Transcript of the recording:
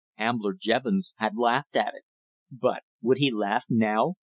Ambler Jevons had laughed at it. But would he laugh now?